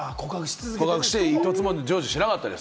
告白して１つも成就しなかったです。